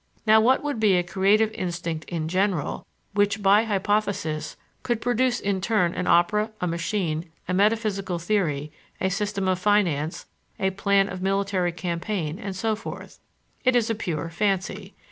Now, what would be a creative instinct in general which, by hypothesis, could produce in turn an opera, a machine, a metaphysical theory, a system of finance, a plan of military campaign, and so forth? It is a pure fancy.